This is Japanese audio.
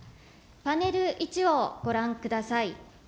パネル１をご覧ください。